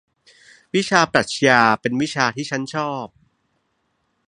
วิชาปรัขญาเป็นวิชาที่ฉันชอบ